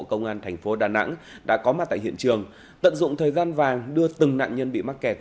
công an thành phố đà nẵng đã có mặt tại hiện trường tận dụng thời gian vàng đưa từng nạn nhân bị mắc kẹt